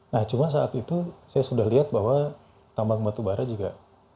nah cuma saat itu saya sudah lihat bahwa tambang batubara juga